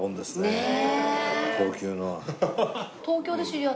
へえ。